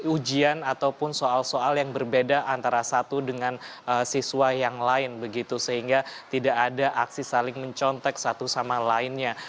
ujian ataupun soal soal yang berbeda antara satu dengan siswa yang lain begitu sehingga tidak ada aksi saling mencontek satu sama lainnya